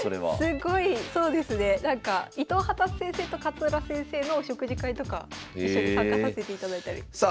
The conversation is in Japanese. すごいそうですねなんか伊藤果先生と勝浦先生のお食事会とか一緒に参加させていただいたりしました。